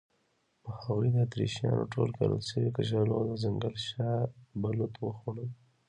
هغوی د اتریشیانو ټول کرل شوي کچالو او د ځنګل شاه بلوط وخوړل.